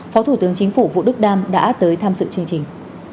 phó thủ tướng chính phủ vũ đức đam đã tới tham dự chương trình